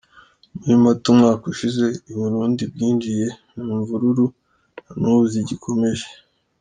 Muri Mata umwaka ushize u Burundi bwinjiye mu imvururu, nan’ubu zigikomeje.